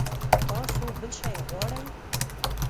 تاسو بل شی غواړئ؟